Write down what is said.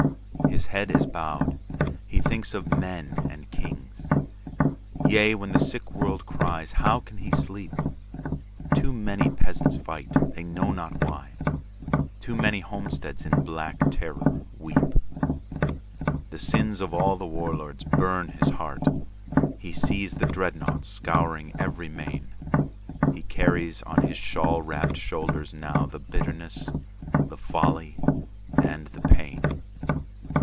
His head is bowed. He thinks of men and kings. Yea, when the sick world cries, how can he sleep? Too many peasants fight, they know not why; Too many homesteads in black terror weep. The sins of all the war lords burn his heart. He sees the dreadnaughts scouring every main. He carries on his shawl wrapped shoulders nowThe bitterness, the folly and the pain.